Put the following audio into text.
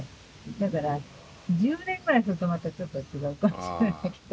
だから１０年ぐらいするとまたちょっと違うかもしれないけど。